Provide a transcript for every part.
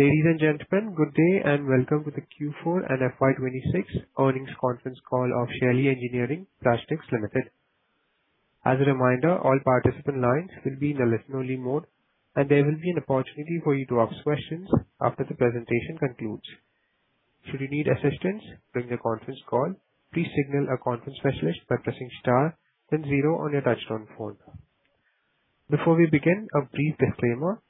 Ladies and gentlemen, good day and welcome to the Q4 and FY 2026 earnings conference call of Shaily Engineering Plastics Limited. As a reminder, all participant lines will be in a listen-only mode, and there will be an opportunity for you to ask questions after the presentation concludes. Should you need assistance during the conference call, please signal a conference specialist by pressing star then zero on your touchtone phone. Before we begin, a brief disclaimer.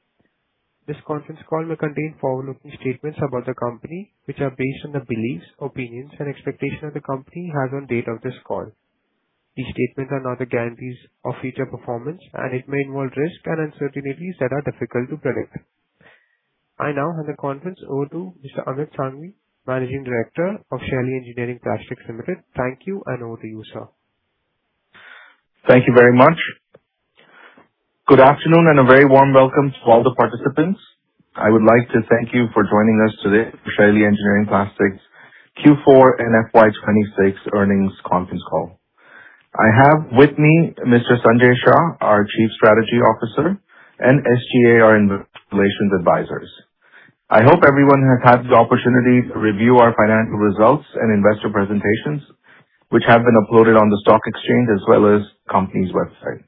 This conference call may contain forward-looking statements about the company, which are based on the beliefs, opinions, and expectations the company has on date of this call. These statements are not the guarantees of future performance, and it may involve risks and uncertainties that are difficult to predict. I now hand the conference over to Mr. Amit Sanghvi, Managing Director of Shaily Engineering Plastics Limited. Thank you, and over to you, sir. Thank you very much. Good afternoon and a very warm welcome to all the participants. I would like to thank you for joining us today for Shaily Engineering Plastics Q4 and FY 2026 earnings conference call. I have with me Mr. Sanjay Shah, our Chief Strategy Officer, and SGA, our investor relations advisors. I hope everyone has had the opportunity to review our financial results and investor presentations, which have been uploaded on the stock exchange as well as the company's website.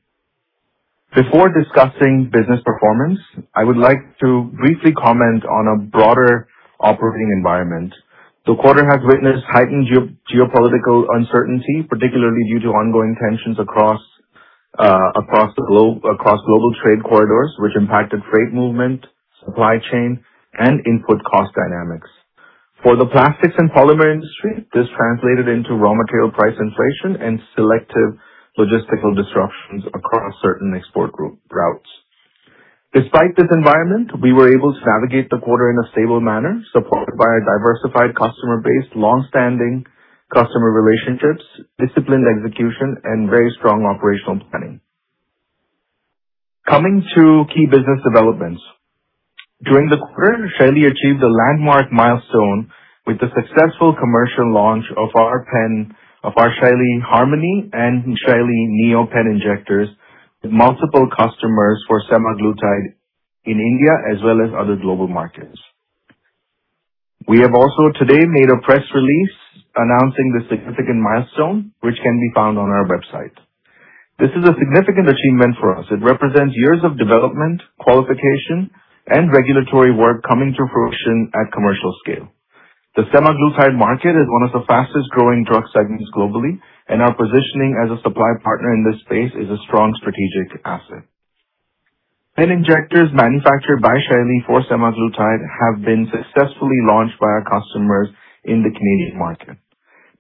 Before discussing business performance, I would like to briefly comment on a broader operating environment. The quarter has witnessed heightened geopolitical uncertainty, particularly due to ongoing tensions across global trade corridors, which impacted freight movement, supply chain, and input cost dynamics. For the plastics and polymer industry, this translated into raw material price inflation and selective logistical disruptions across certain export routes. Despite this environment, we were able to navigate the quarter in a stable manner, supported by our diversified customer base, long-standing customer relationships, disciplined execution, and very strong operational planning. Coming to key business developments. During the quarter, Shaily achieved a landmark milestone with the successful commercial launch of our ShailyPen Harmony and ShailyPen Neo pen injectors with multiple customers for semaglutide in India as well as other global markets. We have also today made a press release announcing the significant milestone, which can be found on our website. This is a significant achievement for us. It represents years of development, qualification, and regulatory work coming to fruition at commercial scale. The semaglutide market is one of the fastest-growing drug segments globally, and our positioning as a supply partner in this space is a strong strategic asset. Pen injectors manufactured by Shaily for semaglutide have been successfully launched by our customers in the Canadian market.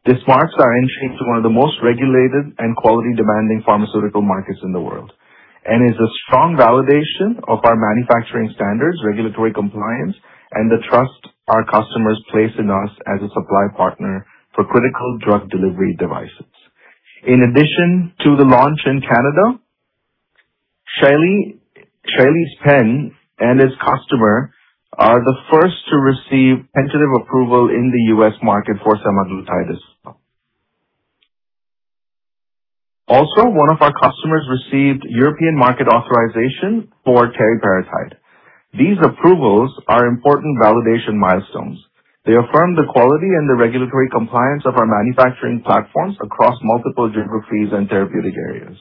This marks our entry into one of the most regulated and quality-demanding pharmaceutical markets in the world and is a strong validation of our manufacturing standards, regulatory compliance, and the trust our customers place in us as a supply partner for critical drug delivery devices. In addition to the launch in Canada, Shaily's pen and its customer are the first to receive tentative approval in the U.S. market for semaglutide as well. Also, one of our customers received European market authorization for teriparatide. These approvals are important validation milestones. They affirm the quality and the regulatory compliance of our manufacturing platforms across multiple geographies and therapeutic areas.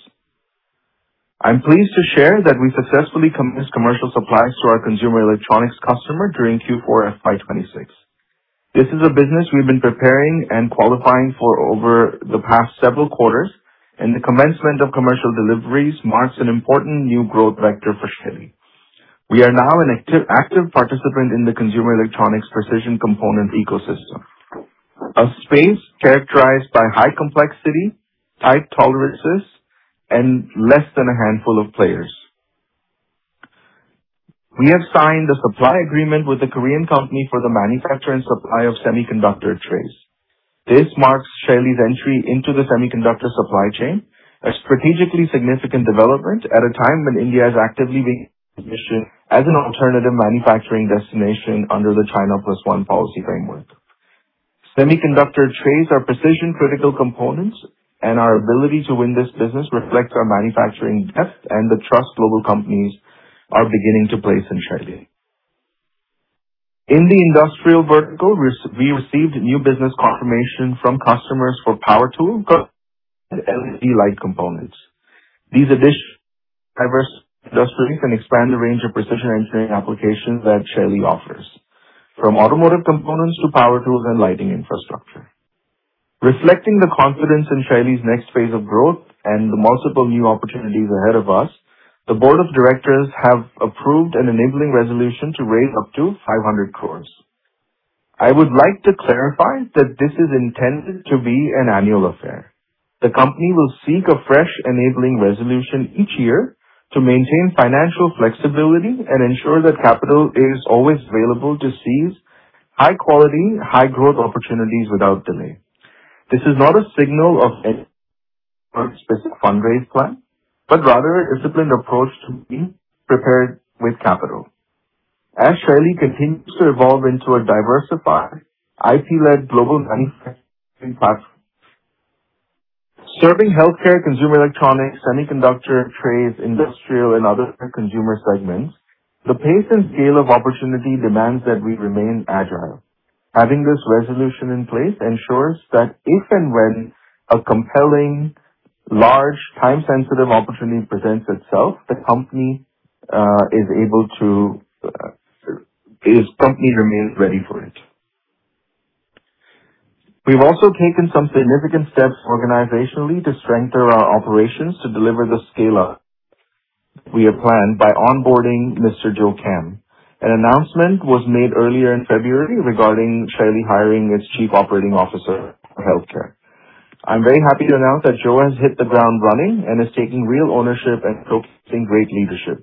I'm pleased to share that we successfully commenced commercial supplies to our consumer electronics customer during Q4 FY 2026. This is a business we've been preparing and qualifying for over the past several quarters. The commencement of commercial deliveries marks an important new growth vector for Shaily. We are now an active participant in the consumer electronics precision component ecosystem, a space characterized by high complexity, tight tolerances, and less than a handful of players. We have signed a supply agreement with a Korean company for the manufacture and supply of semiconductor trays. This marks Shaily's entry into the semiconductor supply chain, a strategically significant development at a time when India is actively being positioned as an alternative manufacturing destination under the China Plus One policy framework. Semiconductor trays are precision critical components, and our ability to win this business reflects our manufacturing depth and the trust global companies are beginning to place in Shaily. In the industrial vertical, we received new business confirmation from customers for power tool and LED light components. These additions diverse industries and expand the range of precision engineering applications that Shaily offers, from automotive components to power tools and lighting infrastructure. Reflecting the confidence in Shaily's next phase of growth and the multiple new opportunities ahead of us, the board of directors have approved an enabling resolution to raise up to 500 crores. I would like to clarify that this is intended to be an annual affair. The company will seek a fresh enabling resolution each year to maintain financial flexibility and ensure that capital is always available to seize high-quality, high-growth opportunities without delay. This is not a signal of any specific fund raise plan, rather a disciplined approach to being prepared with capital. As Shaily continues to evolve into a diversified, IP-led global manufacturing platform Serving healthcare, consumer electronics, semiconductor trays, industrial, and other consumer segments, the pace and scale of opportunity demands that we remain agile. Having this resolution in place ensures that if and when a compelling, large, time-sensitive opportunity presents itself, the company remains ready for it. We've also taken some significant steps organizationally to strengthen our operations to deliver the scale-up we have planned by onboarding Mr. Joe Kam. An announcement was made earlier in February regarding Shaily hiring its Chief Operating Officer for healthcare. I'm very happy to announce that Joe has hit the ground running, is taking real ownership and showcasing great leadership,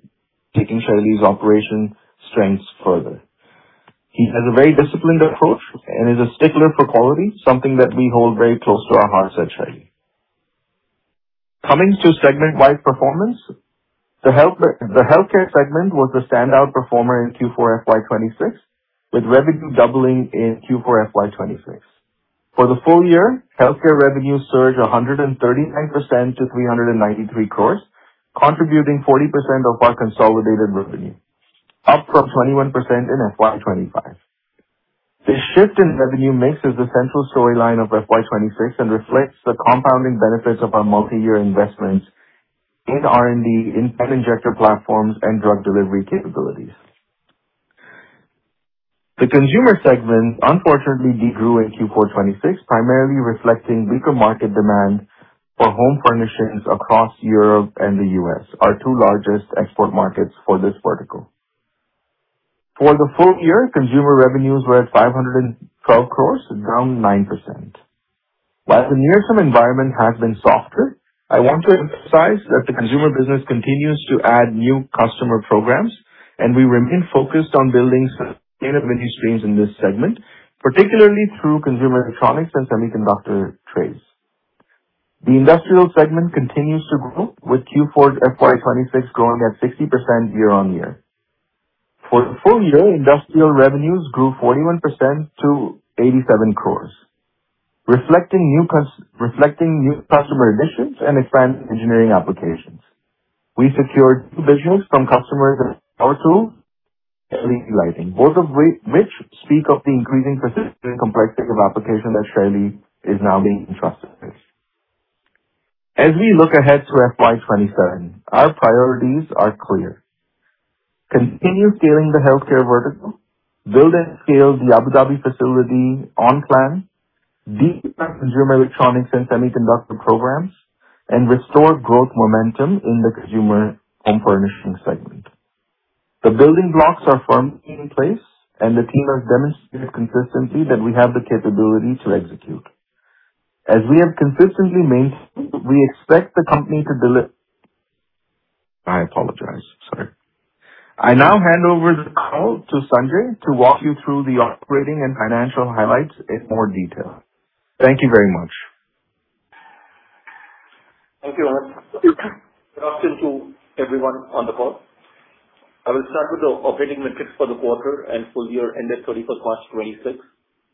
taking Shaily's operation strengths further. He has a very disciplined approach and is a stickler for quality, something that we hold very close to our hearts at Shaily. Coming to segment-wide performance, the healthcare segment was the standout performer in Q4 FY 2026, with revenue doubling in Q4 FY 2026. For the full year, healthcare revenue surged 139% to 393 crores, contributing 40% of our consolidated revenue, up from 21% in FY 2025. This shift in revenue mix is the central storyline of FY 2026 and reflects the compounding benefits of our multiyear investments in R&D, insulin injector platforms, and drug delivery capabilities. The consumer segment unfortunately de-grew in Q4 2026, primarily reflecting weaker market demand for home furnishings across Europe and the U.S., our two largest export markets for this vertical. For the full year, consumer revenues were at 512 crores, down 9%. While the near-term environment has been softer, I want to emphasize that the consumer business continues to add new customer programs, and we remain focused on building sustainable revenue streams in this segment, particularly through consumer electronics and semiconductor trades. The industrial segment continues to grow with Q4 FY 2026 growing at 60% year-on-year. For the full year, industrial revenues grew 41% to 87 crores, reflecting new customer additions and advanced engineering applications. We secured new business from customers tools, LED lighting, both of which speak of the increasing precision and complexity of application that Shaily is now being trusted with. As we look ahead to FY 2027, our priorities are clear: continue scaling the healthcare vertical, build and scale the Abu Dhabi facility on plan, deepen consumer electronics and semiconductor programs, and restore growth momentum in the consumer home furnishing segment. The building blocks are firmly in place, the team has demonstrated consistently that we have the capability to execute. As we have consistently maintained, we expect the company to deliver. I apologize. Sorry. I now hand over the call to Sanjay to walk you through the operating and financial highlights in more detail. Thank you very much. Thank you, Amit. Good afternoon to everyone on the call. I will start with the operating metrics for the quarter and full year ended 31st March 2026,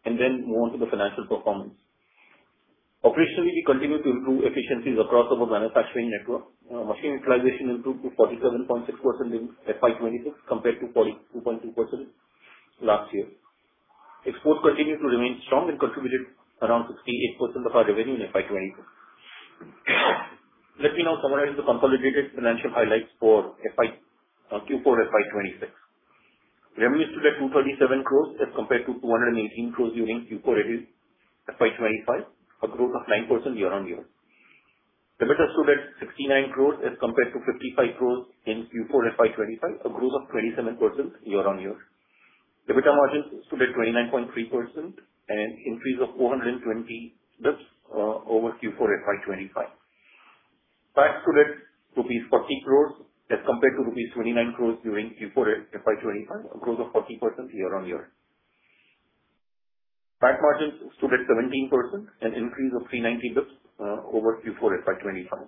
then move on to the financial performance. Operationally, we continue to improve efficiencies across our manufacturing network. Machine utilization improved to 47.6% in FY 2026 compared to 42.2% last year. Exports continued to remain strong, contributed around 68% of our revenue in FY 2026. Let me now summarize the consolidated financial highlights for Q4 FY 2026. Revenues stood at 237 crores as compared to 218 crores during Q4 FY 2025, a growth of 9% year-on-year. EBITDA stood at 69 crores as compared to 55 crores in Q4 FY 2025, a growth of 27% year-on-year. EBITDA margins stood at 29.3%, an increase of 420 basis points over Q4 FY 2025. PAT stood at rupees 40 crores as compared to rupees 29 crores during Q4 FY 2025, a growth of 40% year-on-year. PAT margins stood at 17%, an increase of 390 basis points over Q4 FY 2025.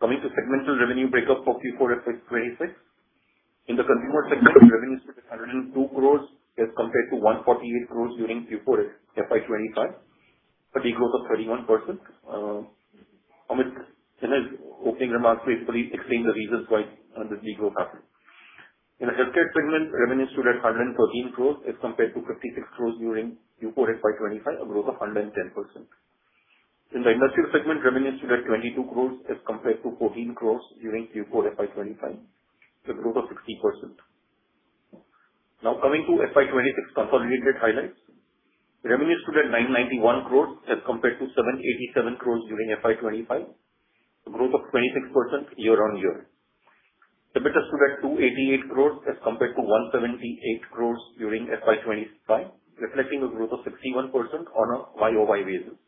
Coming to segmental revenue breakup for Q4 FY 2026. In the consumer segment, revenues stood at 102 crores as compared to 148 crores during Q4 FY 2025, a de-growth of 31%. Amit, in his opening remarks, basically explained the reasons why this de-growth happened. In the healthcare segment, revenues stood at 113 crores as compared to 56 crores during Q4 FY 2025, a growth of 110%. In the industrial segment, revenues stood at 22 crores as compared to 14 crores during Q4 FY 2025, a growth of 60%. Now coming to FY 2026 consolidated highlights. Revenues stood at 991 crores as compared to 787 crores during FY 2025, a growth of 26% year-on-year. EBITDA stood at 288 crores as compared to 178 crores during FY 2025, reflecting a growth of 61% on a year-over-year basis.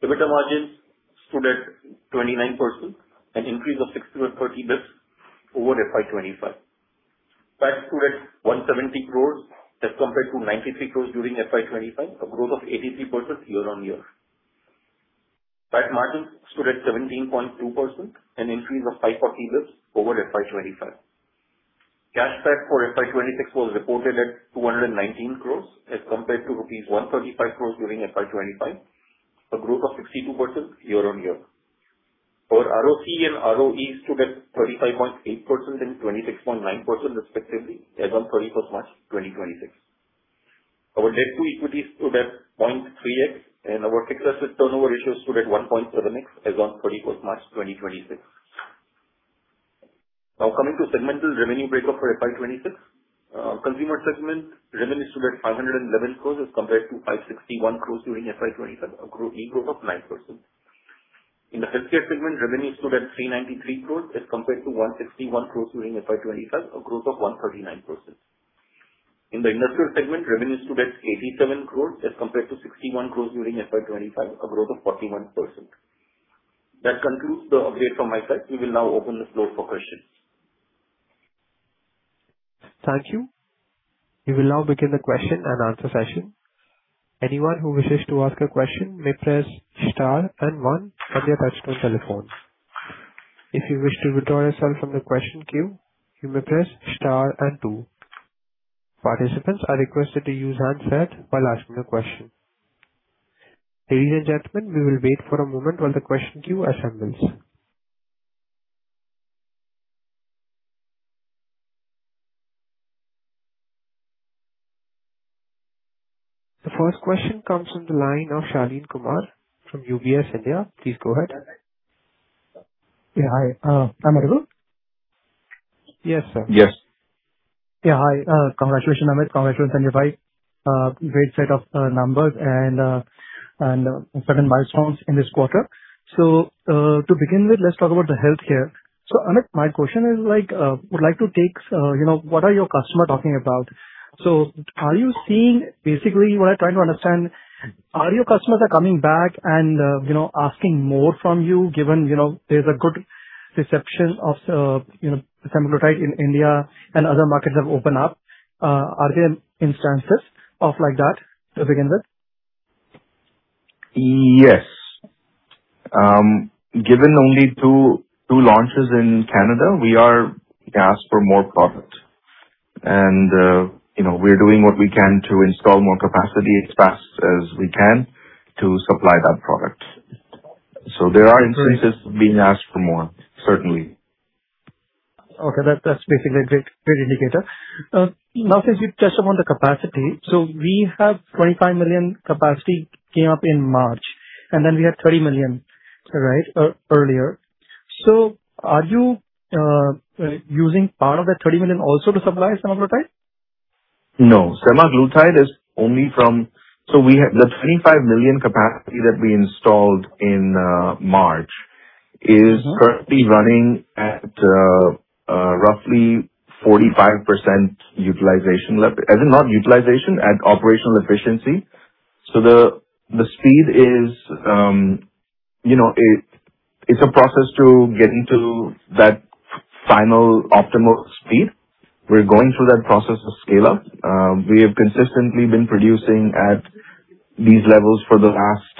EBITDA margins stood at 29%, an increase of 630 bps over FY 2025. PAT stood at 170 crores as compared to 93 crores during FY 2025, a growth of 83% year-on-year. PAT margins stood at 17.2%, an increase of 540 bps over FY 2025. Cash PAT for FY 2026 was reported at 219 crores as compared to rupees 135 crores during FY 2025, a growth of 62% year-on-year. Our ROCE and ROE stood at 35.8% and 26.9%, respectively, as on 31st March 2026. Our debt to equity stood at 0.3x and our fixed asset turnover ratio stood at 1.7x as on 31st March 2026. Coming to segmental revenue breakup for FY 2026. Consumer segment revenue stood at 511 crores as compared to 561 crores during FY 2025, a growth of 9%. In the healthcare segment, revenue stood at 393 crores as compared to 161 crores during FY 2025, a growth of 139%. In the industrial segment, revenue stood at 87 crores as compared to 61 crores during FY 2025, a growth of 41%. That concludes the update from my side. We will now open the floor for questions. Thank you. We will now begin the question and answer session. Anyone who wishes to ask a question may press star and one on their touch-tone telephones. If you wish to withdraw yourself from the question queue, you may press star and two. Participants are requested to use hands-free while asking a question. Ladies and gentlemen, we will wait for a moment while the question queue assembles. The first question comes from the line of Shaleen Kumar from UBS India. Please go ahead. Yeah. Hi. Am I audible? Yes, sir. Yes. Yeah. Hi. Congratulations, Amit. Congratulations, Sanjay. Great set of numbers and certain milestones in this quarter. To begin with, let's talk about the health here. Amit, my question is, what are your customers talking about? Basically, what I'm trying to understand, are your customers are coming back and asking more from you given there's a good reception of semaglutide in India and other markets have opened up. Are there instances of like that to begin with? Yes. Given only two launches in Canada, we are asked for more product. We're doing what we can to install more capacity as fast as we can to supply that product. There are instances of being asked for more, certainly. Okay. That's basically a great indicator. Now since you touched upon the capacity, we have 25 million capacity came up in March, we had 30 million earlier. Are you using part of that 30 million also to supply semaglutide? No. The 25 million capacity that we installed in March is currently running at roughly 45% utilization. Not utilization, at operational efficiency. The speed is a process to getting to that final optimal speed. We're going through that process of scale-up. We have consistently been producing at these levels for the last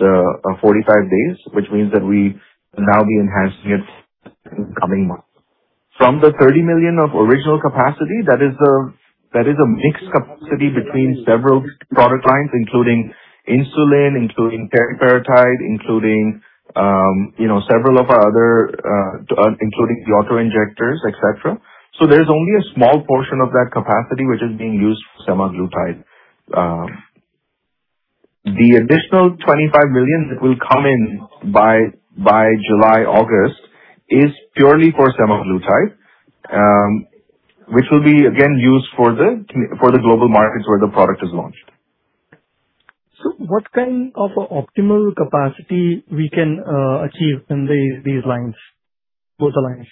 45 days, which means that we now be enhancing it in coming months. From the 30 million of original capacity, that is a mixed capacity between several product lines, including insulin, including teriparatide, including several of our other, including the auto-injectors, et cetera. There's only a small portion of that capacity which is being used for semaglutide. The additional 25 million that will come in by July, August is purely for semaglutide, which will be again used for the global markets where the product is launched. What kind of optimal capacity we can achieve in both the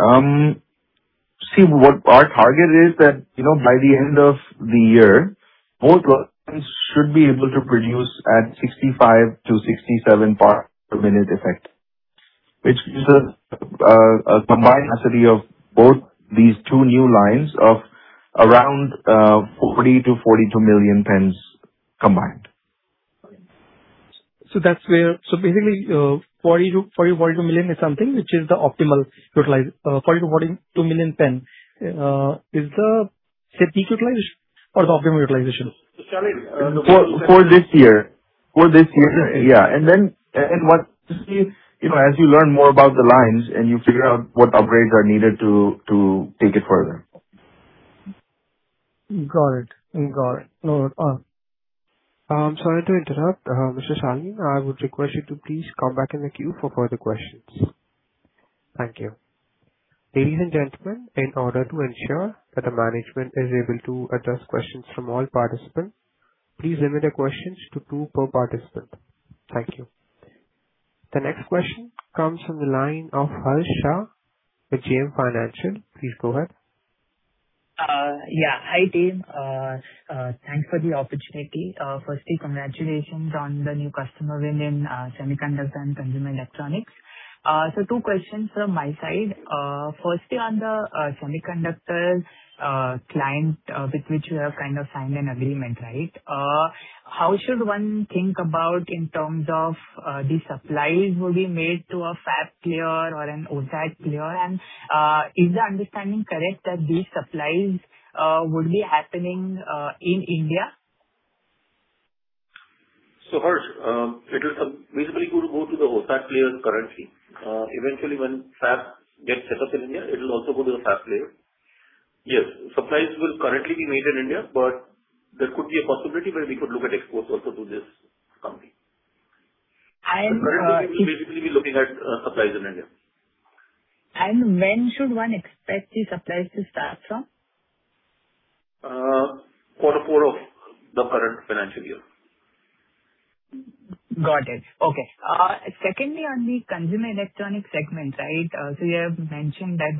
lines? See, what our target is that by the end of the year, both lines should be able to produce at 65 to 67 parts per minute effect, which gives a combined capacity of both these two new lines of around 40 to 42 million pens combined. Basically, 40-42 million is something which is the optimal utilization. 40 to 42 million pen is the peak utilization or the optimal utilization? For this year. Okay. Yeah. Then as you learn more about the lines and you figure out what upgrades are needed to take it further. Got it. Sorry to interrupt. Mr. Shaleen, I would request you to please come back in the queue for further questions. Thank you. Ladies and gentlemen, in order to ensure that the management is able to address questions from all participants, please limit your questions to two per participant. Thank you. The next question comes from the line of Harsha with JM Financial. Please go ahead. Yeah. Hi, team. Thanks for the opportunity. Firstly, congratulations on the new customer win in semiconductors and consumer electronics. Two questions from my side. Firstly, on the semiconductors client with which you have signed an agreement. How should one think about in terms of the supplies will be made to a fab player or an OSAT player? Is the understanding correct that these supplies would be happening in India? Harsh, it will basically go to the OSAT players currently. Eventually, when fab gets set up in India, it will also go to the fab player. Yes, supplies will currently be made in India, but there could be a possibility where we could look at exports also to this company. And- Currently, we will basically be looking at supplies in India. When should one expect these supplies to start from? Quarter four of the current financial year. Got it. Okay. Secondly, on the consumer electronics segment. You have mentioned that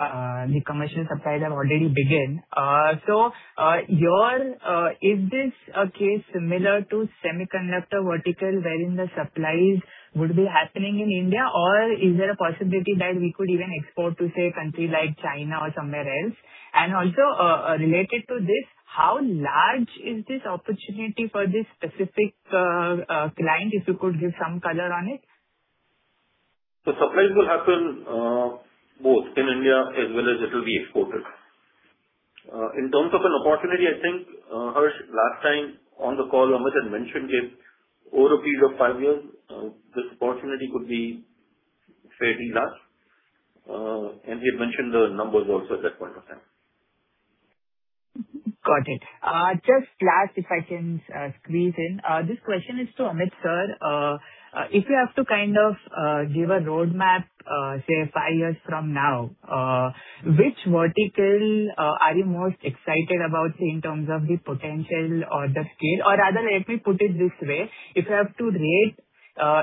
the commercial supplies have already begun. Is this a case similar to semiconductor vertical wherein the supplies would be happening in India, or is there a possibility that we could even export to, say, a country like China or somewhere else? Also, related to this, how large is this opportunity for this specific client, if you could give some color on it? The supplies will happen both in India as well as it will be exported. In terms of an opportunity, I think, Harsh, last time on the call, Amit had mentioned it, over a period of five years, this opportunity could be fairly large. He had mentioned the numbers also at that point of time. Got it. Just last if I can squeeze in. This question is to Amit, sir. If you have to give a roadmap, say, five years from now, which vertical are you most excited about in terms of the potential or the scale? Rather, let me put it this way, if you have to rate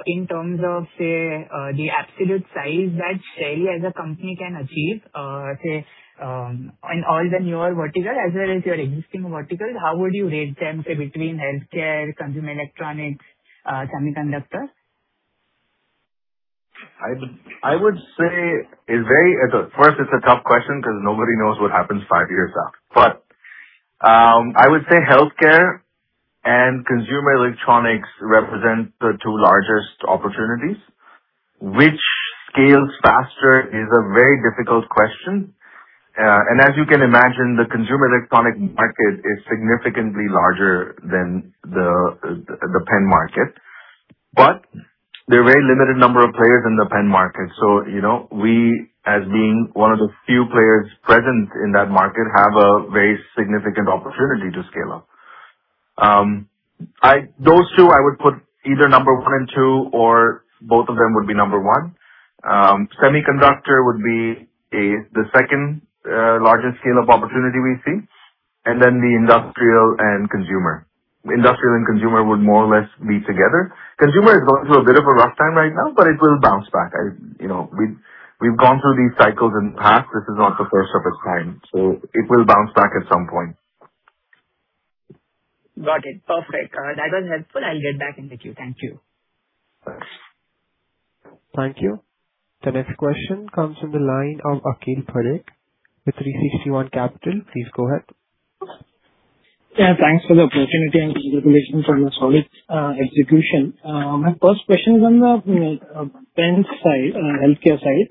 in terms of, say, the absolute size that Shaily as a company can achieve on all the newer verticals as well as your existing verticals, how would you rate them, say, between healthcare, consumer electronics, semiconductors? I would say, first, it's a tough question because nobody knows what happens five years out. I would say healthcare and consumer electronics represent the two largest opportunities. Which scales faster is a very difficult question. As you can imagine, the consumer electronics market is significantly larger than the pen market, but there are very limited number of players in the pen market. We, as being one of the few players present in that market, have a very significant opportunity to scale up. Those two I would put either number 1 and 2 or both of them would be number 1. Semiconductor would be the second-largest scale of opportunity we see, and then the industrial and consumer. Industrial and consumer would more or less be together. Consumer is going through a bit of a rough time right now, but it will bounce back. We've gone through these cycles in the past. This is not the first of its kind, it will bounce back at some point. Got it. Perfect. That was helpful. I'll get back in the queue. Thank you. Thanks. Thank you. The next question comes from the line of Akhil Phadke with 360 ONE Capital. Please go ahead. Thanks for the opportunity and congratulations on the solid execution. My first question is on the pen side, healthcare side.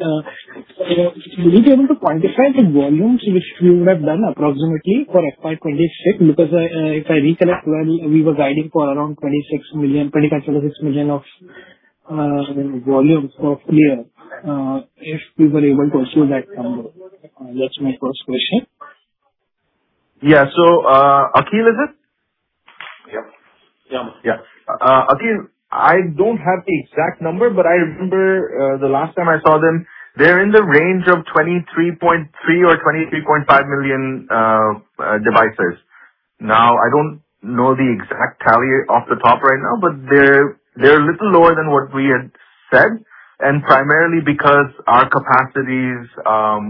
Would you be able to quantify the volumes which you would have done approximately for FY 2026? If I recollect, we were guiding for around 24 million to 26 million volumes for a full year. If we were able to achieve that number. That's my first question. Akhil, is it? Yep. Akhil, I don't have the exact number, but I remember the last time I saw them, they're in the range of 23.3 million or 23.5 million devices. I don't know the exact tally off the top right now, but they're little lower than what we had said, primarily because our capacities are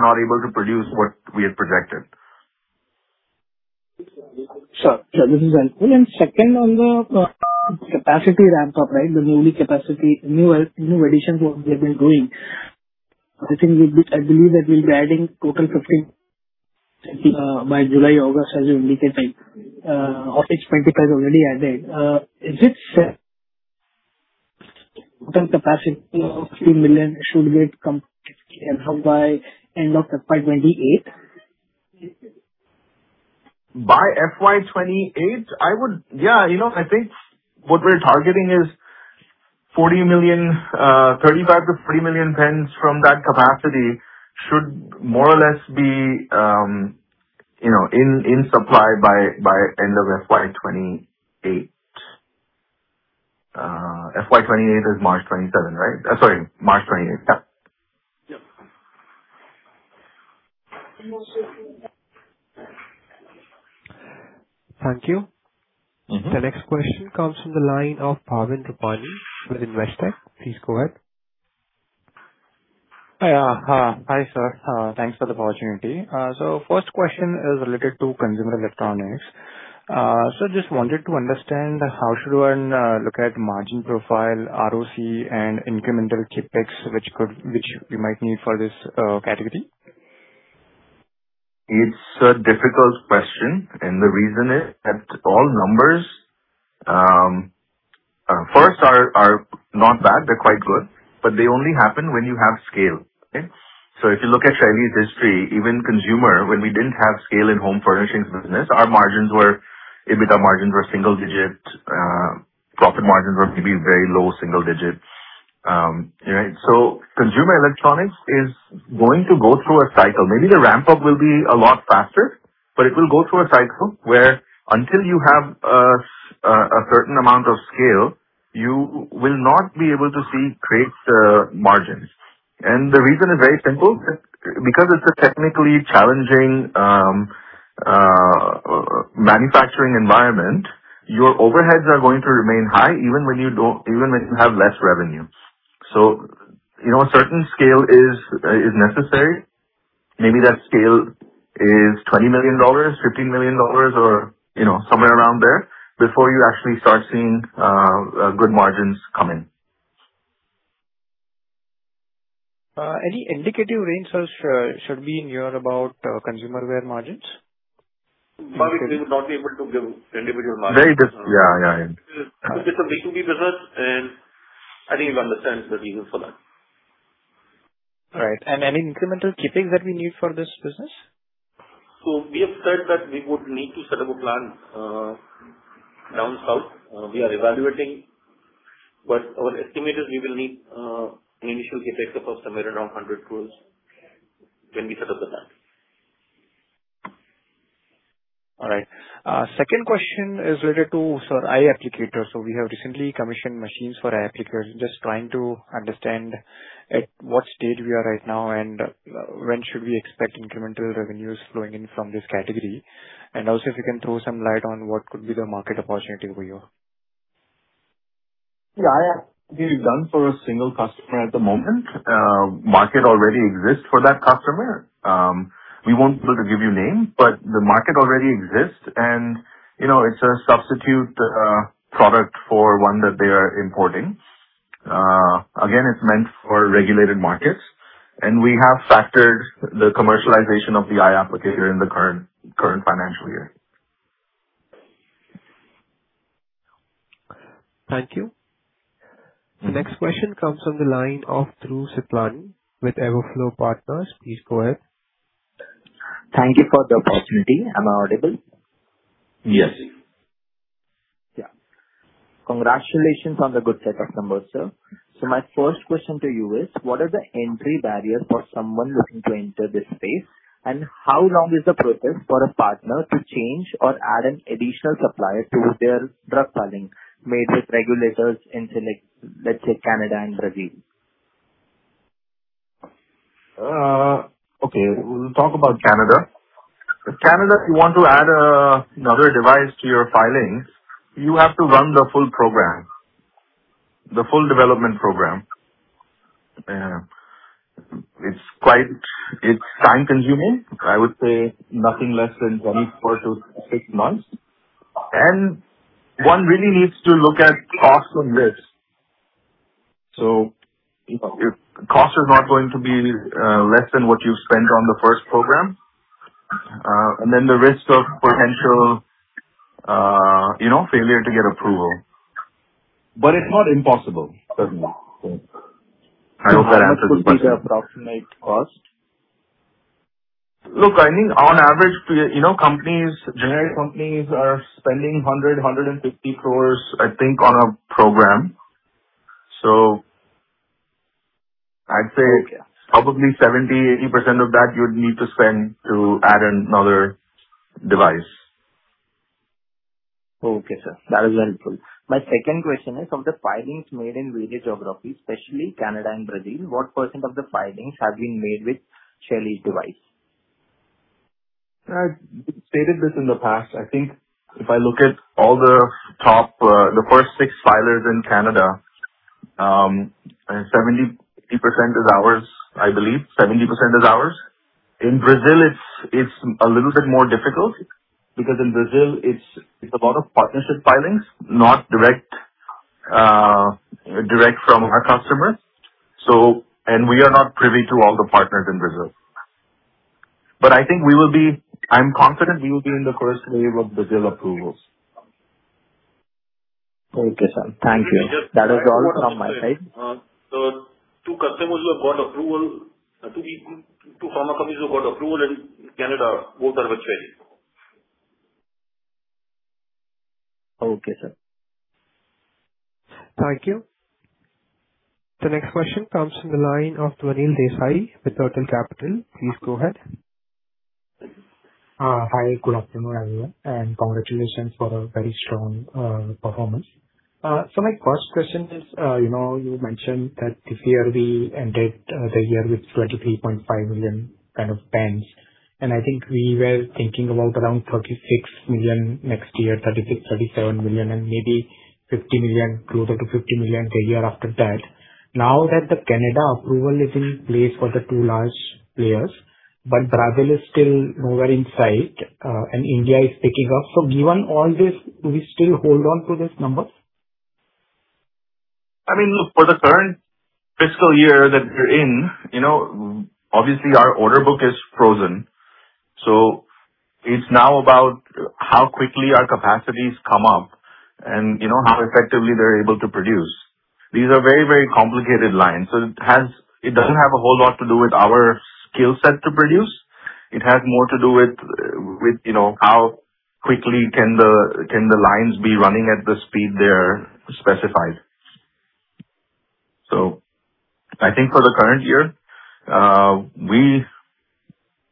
not able to produce what we had projected. Sure. This is helpful. Second on the capacity ramp up, new addition to what we have been doing. I believe that we'll be adding total 15 by July, August, as you indicated. Of which 25 is already added. Is this total capacity of 3 million should be at capacity by end of FY 2028? By FY 2028, I think what we're targeting is 35 to 3 million pens from that capacity should more or less be in supply by end of FY 2028. FY 2028 is March 27, right? Sorry, March 28. Yeah. Yep. Thank you. The next question comes from the line of Bhavin Rupani with Investec. Please go ahead. Hi, sir. Thanks for the opportunity. First question is related to consumer electronics. Sir, just wanted to understand how should one look at margin profile, ROCE, and incremental CapEx, which you might need for this category. It's a difficult question. The reason is that all numbers, first are not bad, they're quite good, but they only happen when you have scale. Okay? They only happen when you have scale. If you look at Shaily's history, even consumer, when we didn't have scale in home furnishings business, our margins were, EBITDA margins were single digit. Profit margins were maybe very low single digit. Consumer electronics is going to go through a cycle. Maybe the ramp-up will be a lot faster, but it will go through a cycle where until you have a certain amount of scale, you will not be able to see great margins. The reason is very simple. Because it's a technically challenging manufacturing environment, your overheads are going to remain high even when you have less revenue. A certain scale is necessary. Maybe that scale is $20 million, $15 million, or somewhere around there before you actually start seeing good margins come in. Any indicative range, sir, should be in here about consumer wear margins? Bhavesh, we would not be able to give individual margins. Very difficult. Yeah. It's a B2B business, and I think you'll understand the reason for that. Right. Any incremental CapEx that we need for this business? We have said that we would need to set up a plant down south. We are evaluating, but our estimate is we will need an initial CapEx of somewhere around 100 crores when we set up the plant. All right. Second question is related to eye applicator. We have recently commissioned machines for eye applicator. Just trying to understand at what stage we are right now, and when should we expect incremental revenues flowing in from this category. Also, if you can throw some light on what could be the market opportunity for you. Yeah. Eye applicator is done for a single customer at the moment. Market already exists for that customer. We won't be able to give you name, but the market already exists and it's a substitute product for one that they are importing. Again, it's meant for regulated markets, and we have factored the commercialization of the eye applicator in the current financial year. Thank you. The next question comes on the line of Dhruv Siplani with EverFlow Partners. Please go ahead. Thank you for the opportunity. Am I audible? Yes. Yeah. Congratulations on the good set of numbers, sir. What are the entry barriers for someone looking to enter this space? How long is the process for a partner to change or add an additional supplier to their drug filing made with regulators in, let's say, Canada and Brazil? Okay, we'll talk about Canada. Canada, if you want to add another device to your filings, you have to run the full program, the full development program. Yeah. It's time-consuming. I would say nothing less than 24 to 6 months. One really needs to look at cost and risk. Cost is not going to be less than what you spent on the first program. The risk of potential failure to get approval. It's not impossible, certainly. I hope that answers your question. What could be the approximate cost? Look, I think on average, generic companies are spending 100 crore-150 crore, I think, on a program. I'd say probably 70%-80% of that you would need to spend to add another device. Okay, sir. That is helpful. My second question is, of the filings made in various geographies, especially Canada and Brazil, what % of the filings have been made with Shaily device? I've stated this in the past. I think if I look at all the top, the first six filers in Canada, 70% is ours, I believe. 70% is ours. In Brazil, it's a little bit more difficult because in Brazil it's a lot of partnership filings, not direct from our customers. We are not privy to all the partners in Brazil. I'm confident we will be in the first wave of Brazil approvals. Okay, sir. Thank you. That is all from my side. Sir, two customers who have got approval, two pharma companies who got approval in Canada, both are with Shaily. Okay, sir. Thank you. The next question comes from the line of Dhvanil Desai with Turtle Capital. Please go ahead. Hi, good afternoon, everyone, and congratulations for a very strong performance. My first question is, you mentioned that this year we ended the year with 23.5 million kind of pens. I think we were thinking about around 36 million next year, 36 million-37 million, and maybe closer to 50 million the year after that. Now that the Canada approval is in place for the two large players, but Brazil is still nowhere in sight, and India is picking up. Given all this, do we still hold on to this number? Look, for the current fiscal year that we're in, obviously our order book is frozen. It's now about how quickly our capacities come up and how effectively they're able to produce. These are very complicated lines. It doesn't have a whole lot to do with our skill set to produce. It has more to do with how quickly can the lines be running at the speed they're specified. I think for the current year,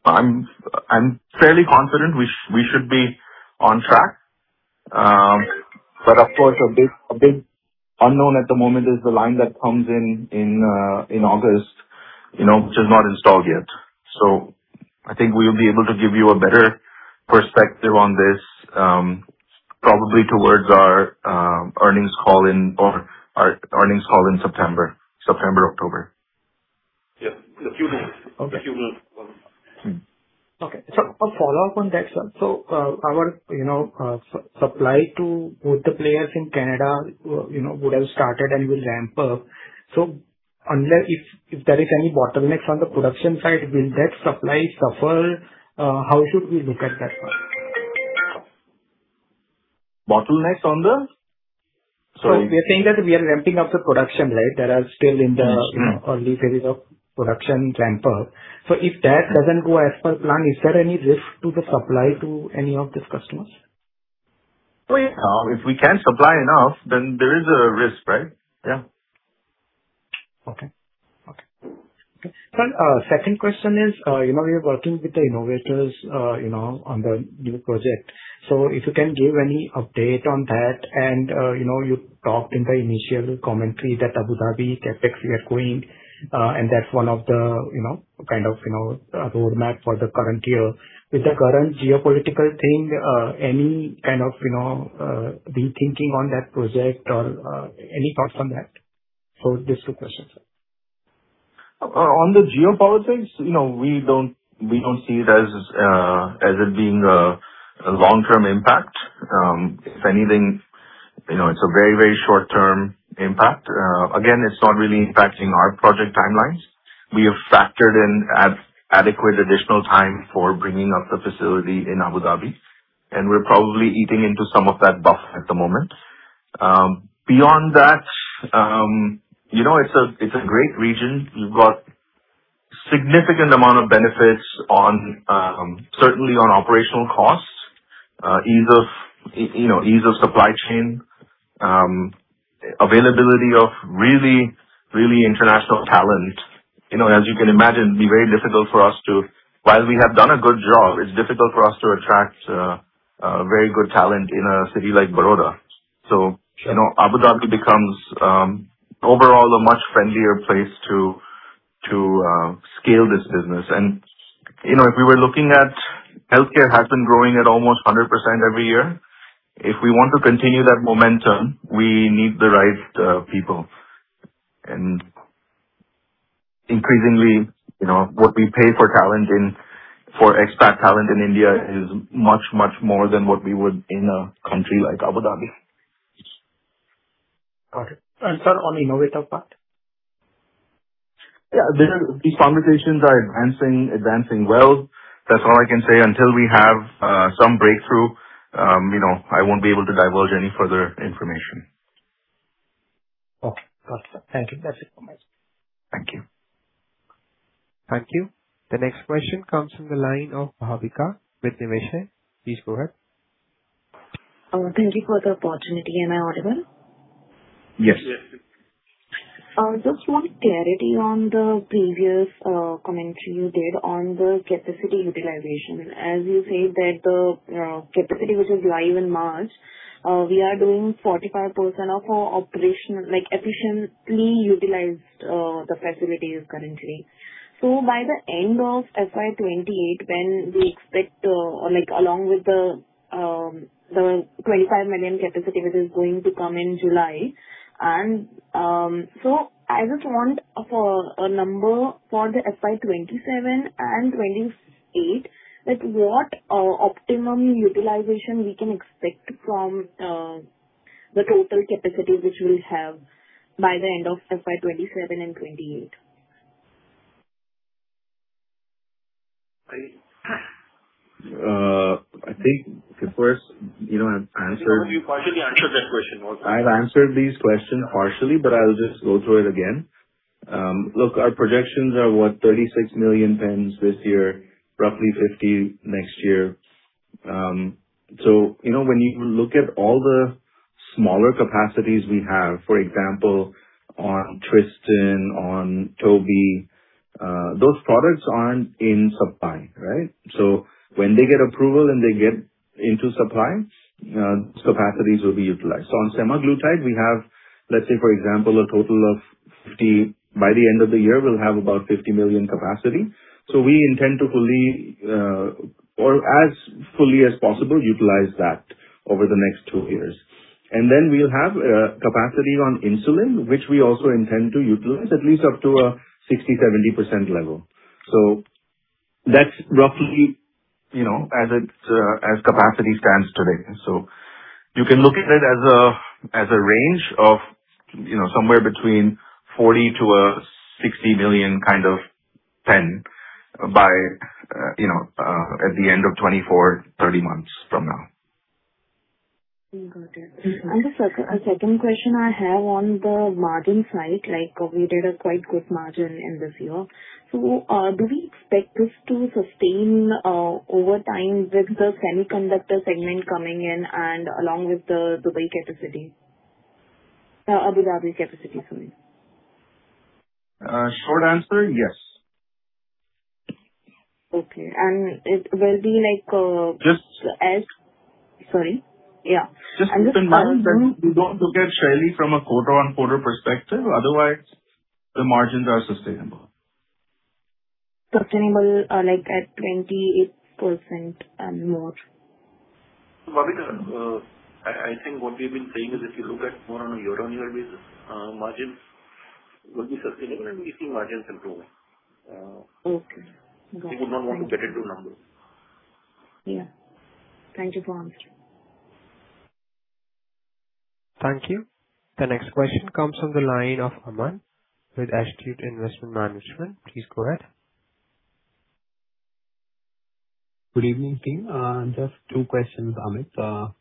I'm fairly confident we should be on track. But of course, a big unknown at the moment is the line that comes in August which is not installed yet. I think we'll be able to give you a better perspective on this probably towards our earnings call in September. September, October. Yep. In a few months. Okay. A follow-up on that, sir. Our supply to both the players in Canada would have started and will ramp up. If there is any bottlenecks on the production side, will that supply suffer? How should we look at that one? Bottlenecks on the? Sorry. You're saying that we are ramping up the production, right? That are still in the early phases of production ramp up. If that doesn't go as per plan, is there any risk to the supply to any of these customers? Oh, yeah. If we can't supply enough, then there is a risk, right? Yeah. Okay. Sir, second question is, we are working with the innovators on the new project. If you can give any update on that. You talked in the initial commentary that Abu Dhabi CapEx we are going, and that's one of the kind of roadmap for the current year. With the current geopolitical thing, any kind of rethinking on that project or any thoughts on that? These two questions, sir. On the geopolitics, we don't see it as it being a long-term impact. If anything, it's a very short-term impact. Again, it's not really impacting our project timelines. We have factored in adequate additional time for bringing up the facility in Abu Dhabi, and we're probably eating into some of that buffer at the moment. Beyond that, it's a great region. You've got significant amount of benefits, certainly on operational costs, ease of supply chain, availability of really international talent. As you can imagine, while we have done a good job, it's difficult for us to attract very good talent in a city like Baroda. Sure Abu Dhabi becomes overall a much friendlier place to scale this business. If we were looking at, healthcare has been growing at almost 100% every year. If we want to continue that momentum, we need the right people. Increasingly, what we pay for expat talent in India is much more than what we would in a country like Abu Dhabi. Got it. Sir, on the innovator part. Yeah. These conversations are advancing well. That's all I can say. Until we have some breakthrough, I won't be able to divulge any further information. Okay. Got it, sir. Thank you. That's it from my side. Thank you. Thank you. The next question comes from the line of Bhavika with Niveshaay. Please go ahead. Thank you for the opportunity. Am I audible? Yes. Yes. Just want clarity on the previous commentary you gave on the capacity utilization. As you said that the capacity which is live in March, we are doing 45% of our operation, like efficiently utilized the facilities currently. By the end of FY 2028, when we expect, along with the 25 million capacity which is going to come in July. I just want a number for the FY 2027 and 2028, what optimum utilization we can expect from the total capacity which we'll have by the end of FY 2027 and 2028. I think first, I've answered. You partially answered that question I've answered these questions partially, but I'll just go through it again. Look, our projections are what, 36 million pens this year, roughly 50 next year. When you look at all the smaller capacities we have, for example, on Tristan, on Toby, those products aren't in supply, right? When they get approval and they get into supply, capacities will be utilized. On semaglutide, we have, let's say, for example, a total of By the end of the year, we'll have about 50 million capacity. We intend to, as fully as possible, utilize that over the next two years. Then we'll have a capacity on insulin, which we also intend to utilize at least up to a 60%-70% level. That's roughly as capacity stands today. You can look at it as a range of somewhere between 40 to a 60 million kind of pen by the end of 2024, 30 months from now. Got it. The second question I have on the margin side, we did a quite good margin in this year. Do we expect this to sustain over time with the semiconductor segment coming in and along with the Dubai capacity? Abu Dhabi capacity, sorry. Short answer, yes. Okay. It will be like Just- Sorry. Yeah. Just to confirm that you don't look at, Shaily, from a quarter-on-quarter perspective. Otherwise, the margins are sustainable. Sustainable, like at 28% and more. Bhargav, I think what we've been saying is if you look at more on a year-on-year basis, margins will be sustainable and we see margins improving. Okay. Got it. We would not want to get into a number. Thank you for answering. Thank you. The next question comes from the line of Aman with Astute Investment Management. Please go ahead. Good evening team. Just two questions, Amit.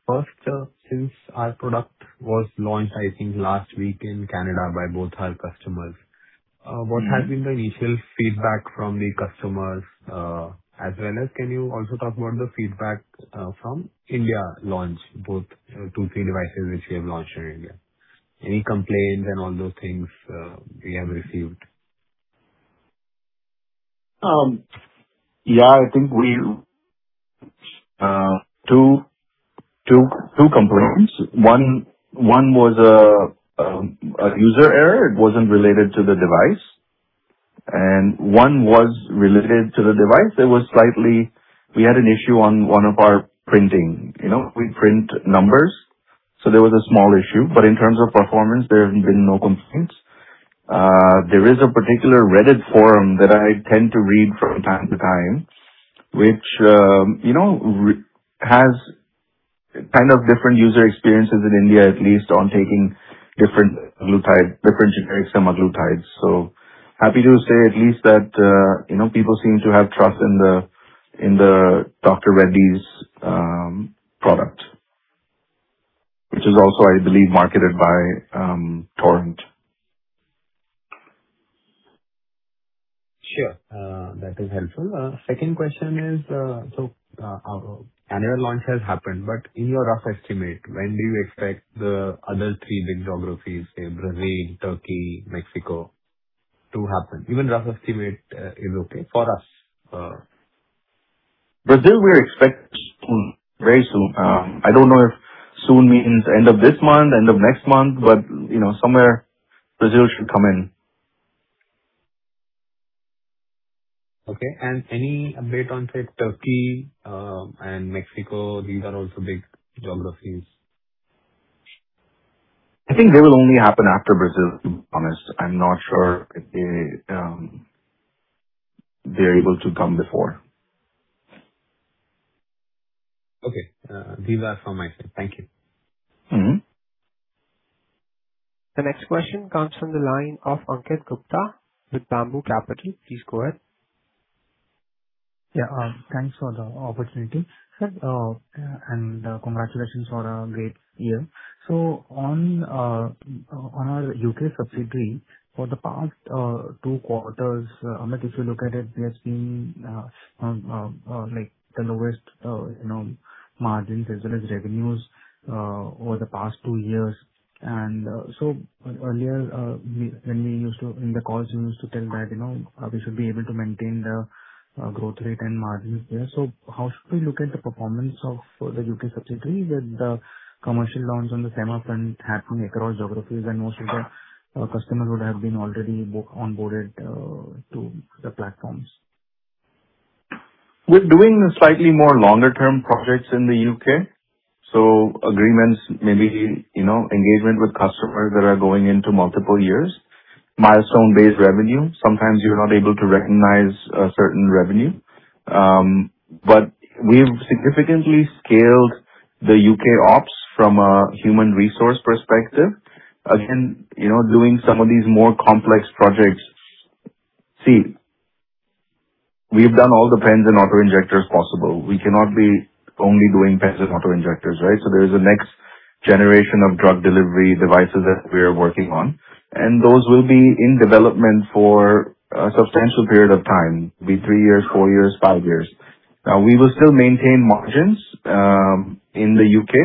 First, since our product was launched, I think, last week in Canada by both our customers. What has been the initial feedback from the customers? As well as can you also talk about the feedback from India launch, two, three devices which you have launched in India? Any complaints and all those things you have received? I think two complaints. One was a user error. It wasn't related to the device. One was related to the device. We had an issue on one of our printing. We print numbers. There was a small issue, but in terms of performance, there have been no complaints. There is a particular Reddit forum that I tend to read from time to time, which has kind of different user experiences in India, at least on taking different generic semaglutides. Happy to say at least that people seem to have trust in the Dr. Reddy's product, which is also, I believe, marketed by Torrent. Sure. That is helpful. Second question is, Canada launch has happened, but in your rough estimate, when do you expect the other three big geographies, say Brazil, Turkey, Mexico, to happen? Even rough estimate is okay for us. Brazil, we expect very soon. I don't know if soon means end of this month, end of next month, but somewhere Brazil should come in. Okay. Any update on, say, Turkey and Mexico? These are also big geographies. I think they will only happen after Brazil, to be honest. I'm not sure if they're able to come before. Okay. These are from my side. Thank you. The next question comes from the line of Ankit Gupta with Bamboo Capital. Please go ahead. Yeah. Thanks for the opportunity. Sir, congratulations on a great year. On our U.K. subsidiary, for the past two quarters, Amit, if you look at it, there's been the lowest margins as well as revenues over the past two years. Earlier, in the calls you used to tell that we should be able to maintain the growth rate and margins there. How should we look at the performance of the U.K. subsidiary with the commercial loans on the Semapen happening across geographies and most of the customer would have been already onboarded to the platforms? We're doing slightly more longer-term projects in the U.K. Agreements maybe engagement with customers that are going into multiple years. Milestone-based revenue. Sometimes you're not able to recognize a certain revenue. We've significantly scaled the U.K. ops from a human resource perspective. Again, doing some of these more complex projects. We've done all the pens and auto-injectors possible. We cannot be only doing pens and auto-injectors, right? There is a next generation of drug delivery devices that we are working on, and those will be in development for a substantial period of time. Be it three years, four years, five years. We will still maintain margins in the U.K.,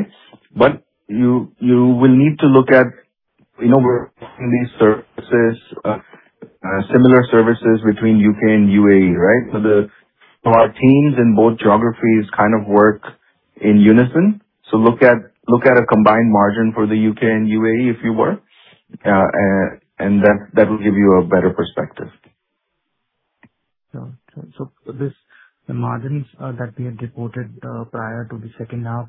but you will need to look at, we're offering these services Similar services between U.K. and U.A.E., right? Our teams in both geographies kind of work in unison. Look at a combined margin for the U.K. and U.A.E., if you were, and that will give you a better perspective. Got you. These margins that we had reported prior to the second half,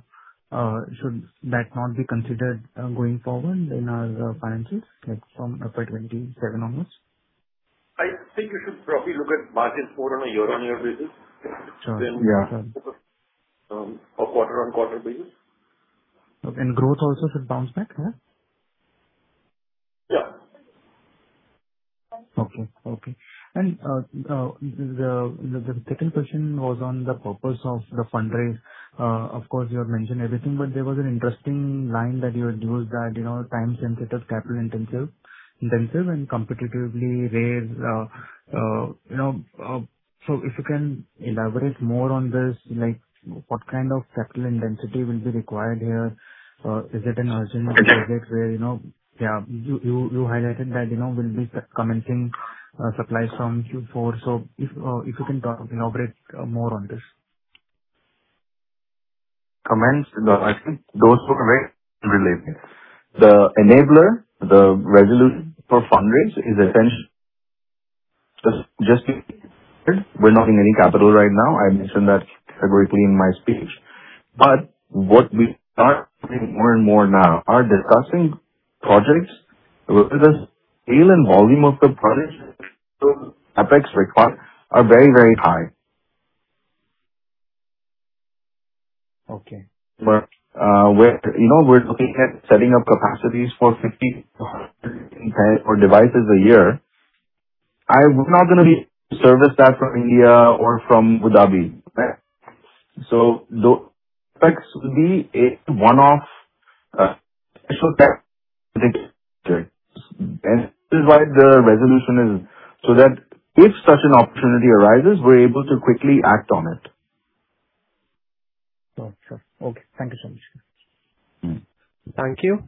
should that not be considered going forward in our financials, like from FY 2027 onwards? I think you should probably look at margins more on a year-on-year basis. Got you. than a quarter-on-quarter basis. Okay. Growth also should bounce back, yeah? Yeah. Okay. The second question was on the purpose of the fundraise. Of course, you have mentioned everything, but there was an interesting line that you had used that time-sensitive, capital-intensive, and competitively rare. If you can elaborate more on this, what kind of capital intensity will be required here? Is it an urgent project? You highlighted that we'll be commencing supply from Q4. If you can elaborate more on this. I think those two are very related. The enabler, the resolution for fundraise is essentially just. We're not in any capital right now. I mentioned that categorically in my speech. What we are doing more and more now are discussing projects where the scale and volume of the projects CapEx required are very high. Okay. Where we're looking at setting up capacities for 50 devices a year, I'm not going to be service that from India or from Abu Dhabi. The CapEx will be a one-off professional CapEx and this is why the resolution is so that if such an opportunity arises, we're able to quickly act on it. Got you. Okay. Thank you so much. Thank you.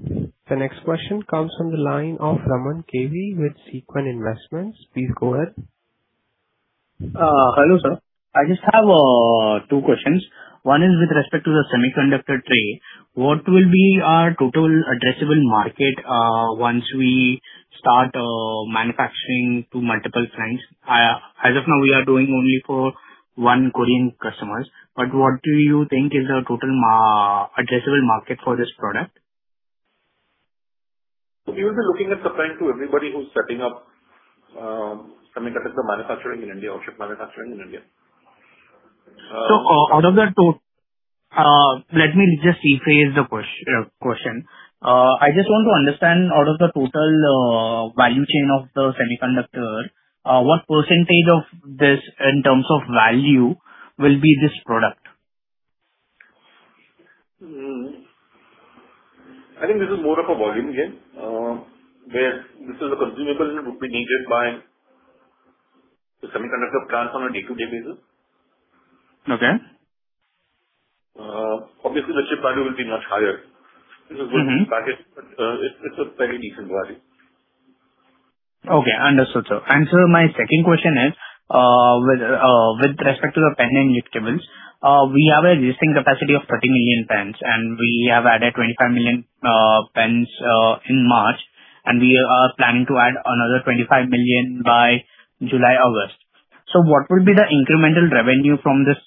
The next question comes from the line of Raman KV with Sequin Investments. Please go ahead. Hello, sir. I just have two questions. One is with respect to the semiconductor tray. What will be our total addressable market once we start manufacturing to multiple clients? As of now, we are doing only for one Korean customer. What do you think is the total addressable market for this product? We will be looking at supplying to everybody who's setting up semiconductor manufacturing in India, offshore manufacturing in India. Let me just rephrase the question. I just want to understand out of the total value chain of the semiconductor, what % of this in terms of value will be this product? I think this is more of a volume game, where this is a consumable and would be needed by the semiconductor plant on a day-to-day basis. Okay. Obviously, the chip value will be much higher. This is a good package, it's a very decent value. Okay, understood, sir. Sir, my second question is, with respect to the pending lift tables, we have an existing capacity of 30 million pens, we have added 25 million pens in March, we are planning to add another 25 million by July, August. What will be the incremental revenue from this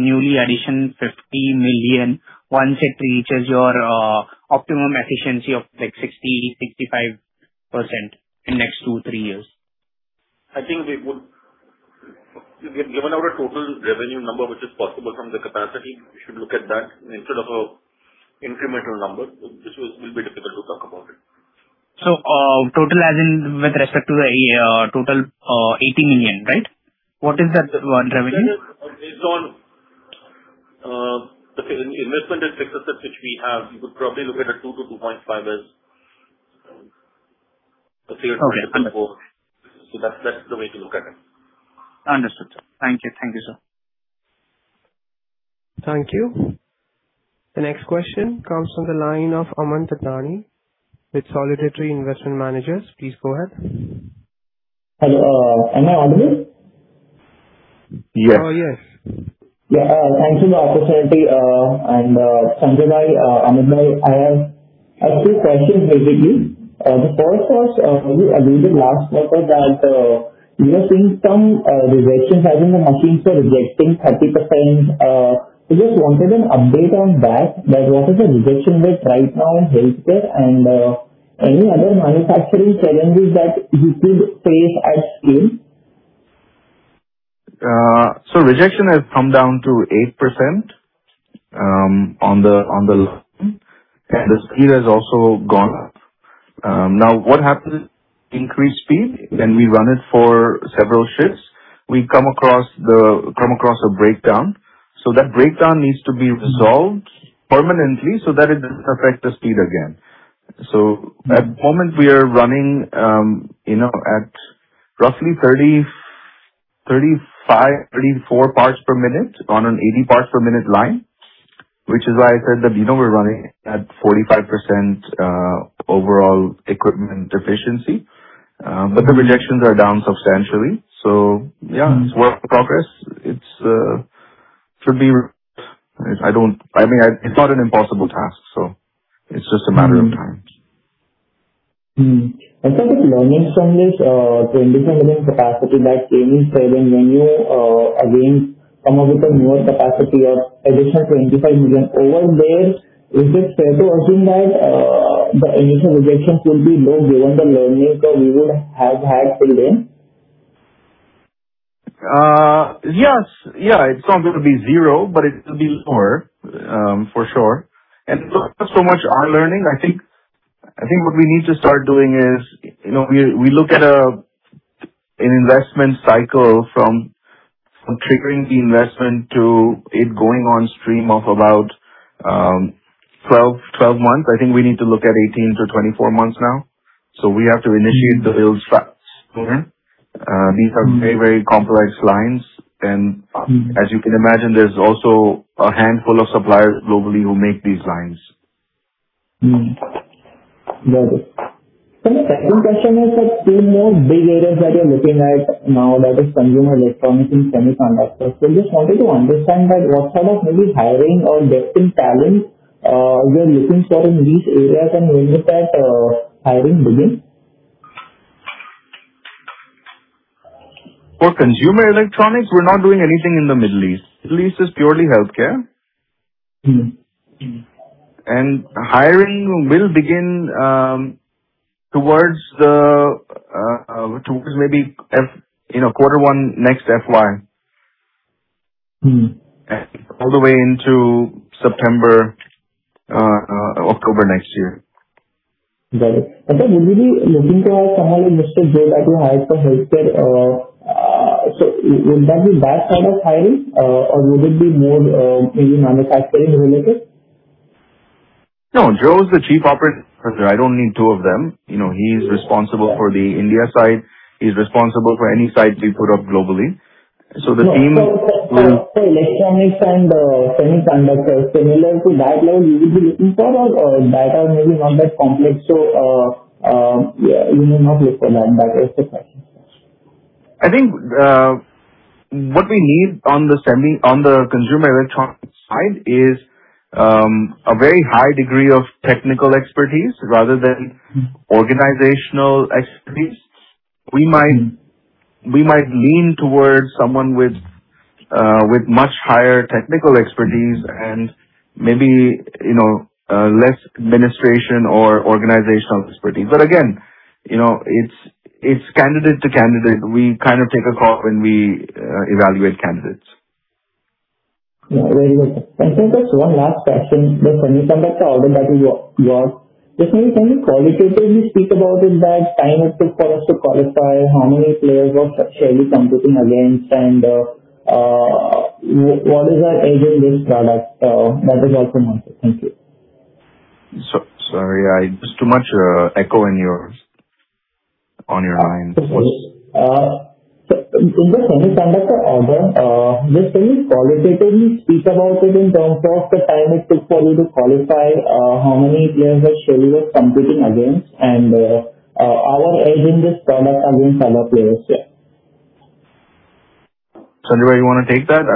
newly addition 50 million once it reaches your optimum efficiency of 60%-65% in next 2-3 years? I think we have given out a total revenue number which is possible from the capacity. You should look at that instead of a incremental number. This will be difficult to talk about it. Total as in with respect to the total 18 million, right? What is that one revenue? Based on the investment in fixes which we have, you could probably look at a 2-2.5 as the. That's the way to look at it. Understood, sir. Thank you, sir. Thank you. The next question comes from the line of Aman Thadani with Solitary Investment Managers. Please go ahead. Hello. Am I audible? Yes. Yes. Thank you for the opportunity. Sanjay, Amit, I have a few questions for you. The first was, you agreed in last quarter that we are seeing some rejection, as in the machines were rejecting 30%. I just wanted an update on that, what is the rejection rate right now in healthcare and any other manufacturing challenges that you could face at scale? Rejection has come down to 8% on the line. Okay. The speed has also gone up. What happens with increased speed, when we run it for several shifts, we come across a breakdown. That breakdown needs to be resolved permanently so that it does not affect the speed again. At the moment, we are running at roughly 34 parts per minute on an 80 parts per minute line which is why I said that we are running at 45% overall equipment efficiency. The rejections are down substantially. Yeah, it is work in progress. It should be. It is not an impossible task, it is just a matter of time. I think with learnings from this 22 million capacity that Amit said, when you again come up with a newer capacity of additional 25 million over there, is it fair to assume that the initial rejections will be low given the learnings that we would have had till then? Yes. It is not going to be zero, but it will be lower for sure. Not so much our learning, I think what we need to start doing is we look at an investment cycle from triggering the investment to it going on stream of about 12 months. I think we need to look at 18-24 months now. We have to initiate the build slots. These are very complex lines, and as you can imagine, there is also a handful of suppliers globally who make these lines. Got it. Sir, my second question is that two more big areas that you are looking at now, that is consumer electronics and semiconductors. I just wanted to understand what sort of maybe hiring or depth in talent you are looking for in these areas, and when does that hiring begin? For consumer electronics, we are not doing anything in the Middle East. Middle East is purely healthcare. Hiring will begin towards maybe quarter one next FY. All the way into September, October next year. Got it. Would we be looking to have someone in Mr. Joe Kam for healthcare? Will that be that side of hiring, or will it be more maybe manufacturing related? No, Joe is the Chief Operating Officer. I don't need two of them. He is responsible for the India side, he is responsible for any sites we put up globally. The team will. Electronics and semiconductors, similar to that level, we will be looking for or that are maybe not that complex, so you may not look for that. That is the question. I think what we need on the consumer electronics side is a very high degree of technical expertise rather than organizational expertise. We might lean towards someone with much higher technical expertise and maybe less administration or organizational expertise. Again, it's candidate to candidate. We take a call when we evaluate candidates. Yeah, very good. Sir, just one last question, the semiconductor order that you got, just can you qualitatively speak about it, like time it took for us to qualify, how many players was Shaily competing against, and what is our edge in this product? That was also my question. Thank you. Sorry, there's too much echo on your line. In the semiconductor order, just can you qualitatively speak about it in terms of the time it took for you to qualify, how many players Shaily was competing against, and our edge in this product against other players? Yeah. Sanjay, you want to take that? I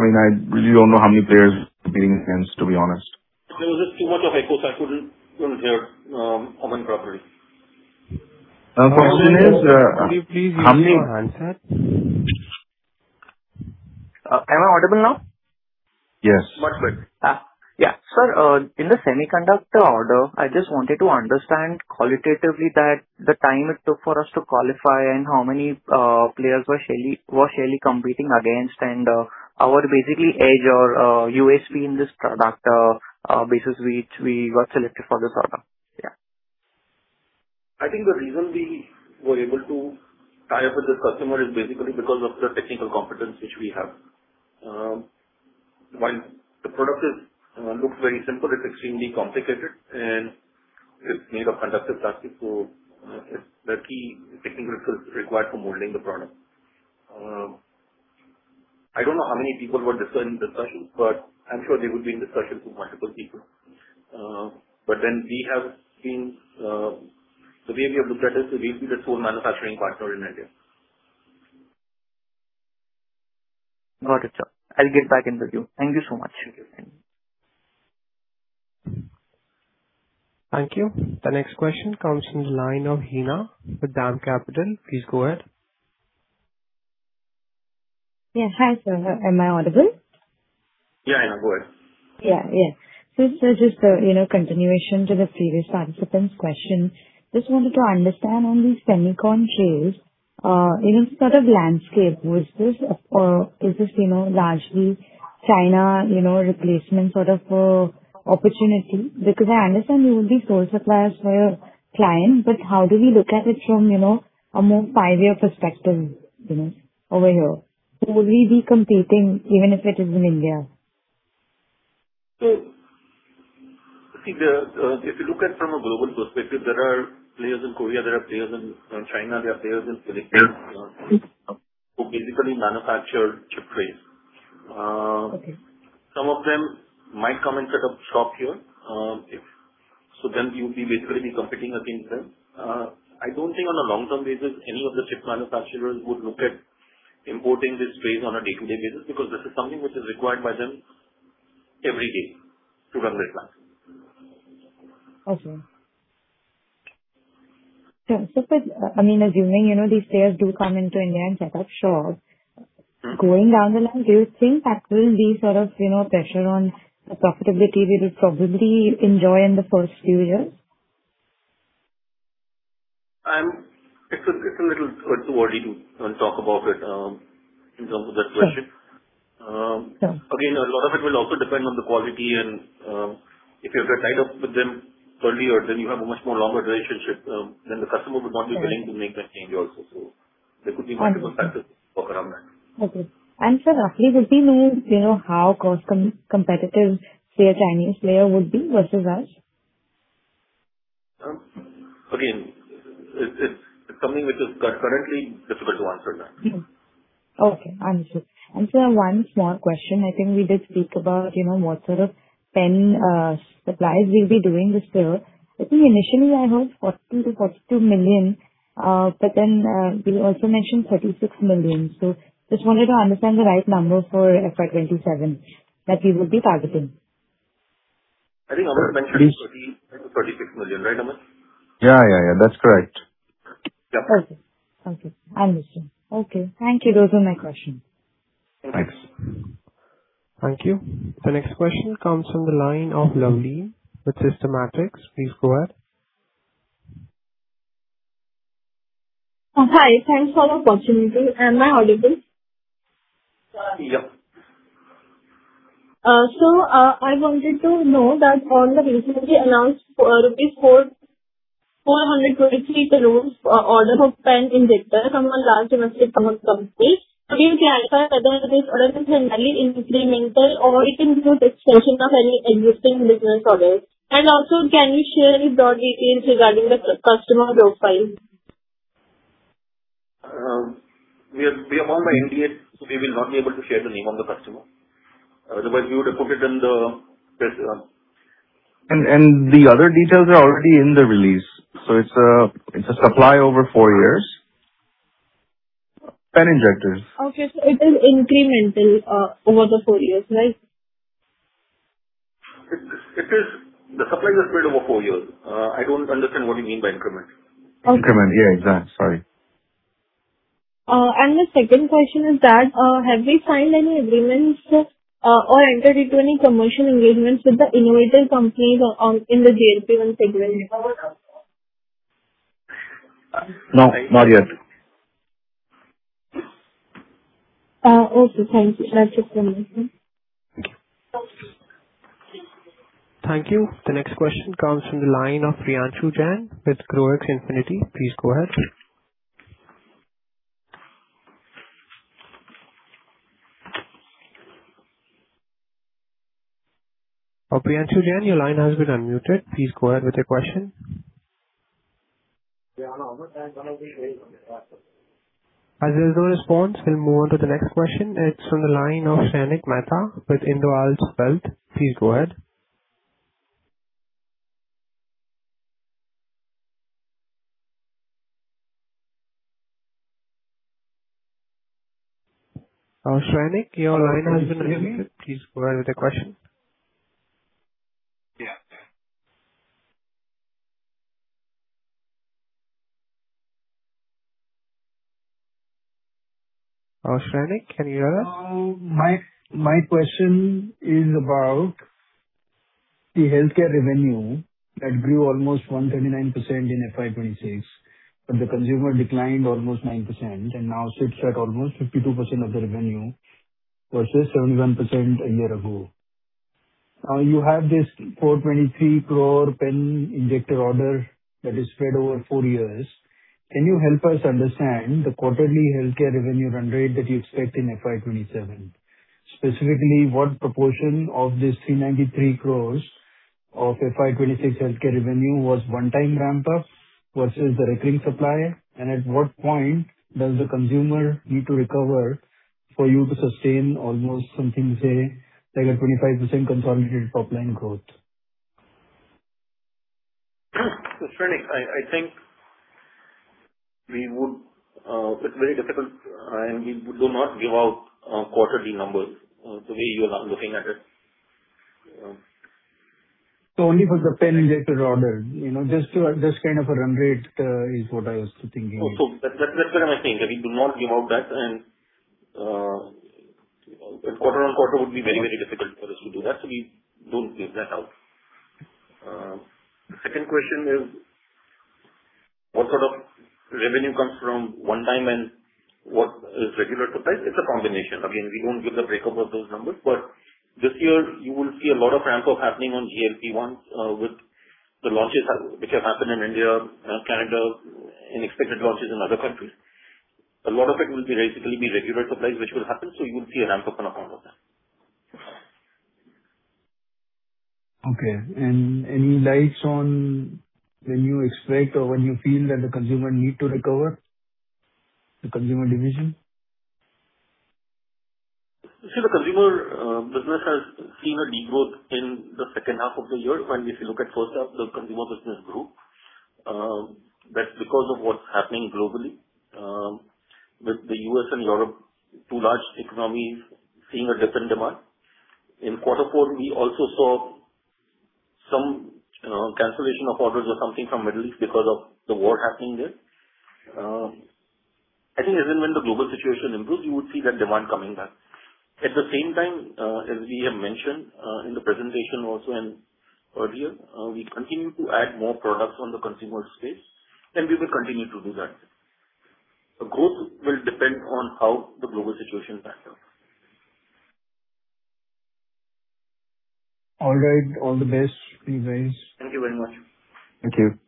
really don't know how many players we're competing against, to be honest. There was just too much of echo, so I couldn't hear Aman properly. The question is- Could you please repeat your answer? Am I audible now? Yes. Much better. Sir, in the semiconductor order, I just wanted to understand qualitatively that the time it took for us to qualify and how many players was Shaily competing against, and our basically edge or USP in this product, basis which we got selected for this order. I think the reason we were able to tie up with this customer is basically because of the technical competence which we have. While the product looks very simple, it's extremely complicated, and it's made of conductive plastic. The key technical skills required for modeling the product. I don't know how many people were there in discussion, but I'm sure they would be in discussion with multiple people. The way we have looked at it, so we'll be the sole manufacturing partner in India. Got it, sir. I'll get back in with you. Thank you so much. Thank you. The next question comes from the line of Hina with DAM Capital. Please go ahead. Yeah. Hi, sir. Am I audible? Hina. Go ahead. This is just a continuation to the previous participant's question. Just wanted to understand on the semicon plays, sort of landscape versus, is this largely China replacement sort of opportunity? I understand we will be source of goods for your client, but how do we look at it from a more five-year perspective over here? Will we be competing even if it is in India? If you look at it from a global perspective, there are players in Korea, there are players in China, there are players in Philippines- who basically manufacture chip trays. Okay. Some of them might come and set up shop here. You'll be basically competing against them. I don't think on a long-term basis, any of the chip manufacturers would look at importing these trays on a day-to-day basis, because this is something which is required by them every day to run their plants. Okay. Assuming these players do come into India and set up shop, going down the line, do you think that will be pressure on the profitability we would probably enjoy in the first few years? It's a little early to talk about it in terms of that question. Sure. Again, a lot of it will also depend on the quality, and if you have tied up with them earlier, then you have a much more longer relationship, then the customer would not be willing to make that change also. There could be multiple factors for around that. Okay. Sir, roughly, would we know how cost competitive say a Chinese player would be versus us? Again, it's something which is currently difficult to answer that. Okay. Understood. Sir, one small question. I think we did speak about what sort of pen supplies we will be doing this year. I think initially I heard 40 million to 42 million, but then you also mentioned 36 million. Just wanted to understand the right numbers for FY 2027 that we would be targeting. I think Amit mentioned 40 million to 36 million. Right, Amit? Yeah. That's correct. Yep. Okay. Understood. Okay. Thank you. Those were my questions. Thanks. Thank you. The next question comes from the line of Lavina with Systematix. Please go ahead. Hi. Thanks for the opportunity. Am I audible? Yeah. I wanted to know that on the recently announced rupees 423 crores order for pen injector from a large domestic company. Can you clarify whether this order is entirely incremental or it includes discussion of any existing business orders? Can you share the broad details regarding the customer profile? We are bound by NDA, so we will not be able to share the name of the customer. Otherwise, we would have put it in the press. The other details are already in the release. It's a supply over four years. Pen injectors. Okay. It is incremental over the four years, right? The supply is spread over four years. I don't understand what you mean by incremental. Okay. Increment. Yeah, exact. Sorry. The second question is that, have we signed any agreements or entered into any commercial engagements with the innovator companies in the GLP-1 segment? No, not yet. Okay. Thank you. That's just from me. Thank you. The next question comes from the line of Priyanshu Jain with Growex Infinity. Please go ahead. Priyanshu Jain, your line has been unmuted. Please go ahead with your question. Yeah, Amit. I'm going to be away from the desk. As there is no response, we'll move on to the next question. It's on the line of Shrenik Mehta with IndWell Spelt. Please go ahead. Shrenik, your line has been unmuted. Please go ahead with your question. Yeah. Shrenik, can you hear us? My question is about the healthcare revenue that grew almost 139% in FY 2026. The consumer declined almost 9% and now sits at almost 52% of the revenue versus 71% a year ago. You have this 423 crore pen injector order that is spread over 4 years. Can you help us understand the quarterly healthcare revenue run rate that you expect in FY 2027? Specifically, what proportion of this 393 crore of FY 2026 healthcare revenue was one-time ramp-up versus the recurring supply? At what point does the consumer need to recover for you to sustain almost something, say, like a 25% consolidated top-line growth? Shrenik, I think it's very difficult. We do not give out quarterly numbers the way you are now looking at it. Only for the pen injector order. Just kind of a run rate is what I was thinking. That's what I'm saying, that we do not give out that, and quarter-on-quarter would be very difficult for us to do that. We don't give that out. The second question is what sort of revenue comes from one-time and what is regular supply. It's a combination. Again, we don't give the breakup of those numbers, but this year you will see a lot of ramp-up happening on GLP-1 with the launches which have happened in India, Canada, and expected launches in other countries. A lot of it will basically be regular supplies, which will happen, so you will see a ramp-up in the volume. Okay. Any lights on when you expect or when you feel that the consumer need to recover, the consumer division? You see, the consumer business has seen a degrowth in the second half of the year. If you look at the first half, the consumer business grew. Because of what's happening globally, with the U.S. and Europe, two large economies seeing a different demand. In quarter four, we also saw some cancellation of orders or something from Middle East because of the war happening there. I think as and when the global situation improves, you would see that demand coming back. At the same time, as we have mentioned in the presentation also and earlier, we continue to add more products on the consumer space, and we will continue to do that. The growth will depend on how the global situation pans out. All right. All the best to you guys. Thank you very much. Thank you.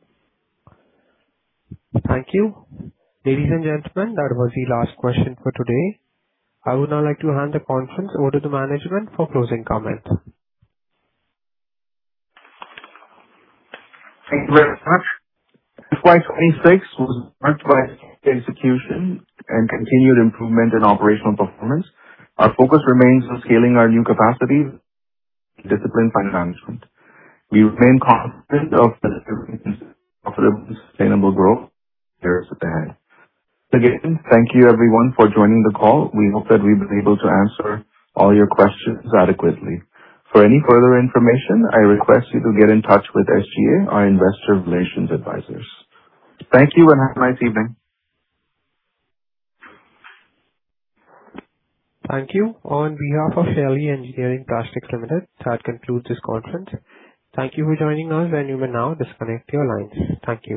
Thank you. Ladies and gentlemen, that was the last question for today. I would now like to hand the conference over to the management for closing comments. Thank you very much. FY 2026 was marked by execution and continued improvement in operational performance. Our focus remains on scaling our new capacity and disciplined financial management. We remain confident of the sustainable growth years ahead. Again, thank you everyone for joining the call. We hope that we've been able to answer all your questions adequately. For any further information, I request you to get in touch with SGA, our investor relations advisors. Thank you and have a nice evening. Thank you. On behalf of Shaily Engineering Plastics Limited, that concludes this conference. Thank you for joining us and you may now disconnect your lines. Thank you.